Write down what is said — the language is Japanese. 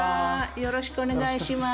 よろしくお願いします。